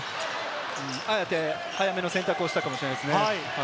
あえて早めの選択をしたかもしれないですね。